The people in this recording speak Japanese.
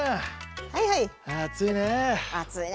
はいはい。